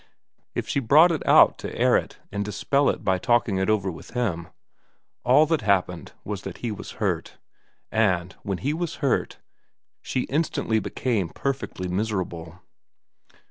If she brought it out to air it and dispel it by talking it over with him, all that happened was that he was hurt, and when he was hurt she instantly became perfectly miserable.